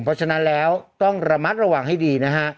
เพราะฉะนั้นแล้วต้องระมัดระวังให้ดีนะฮะ